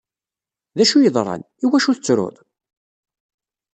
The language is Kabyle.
D acu yeḍran? Iwacu tettruḍ?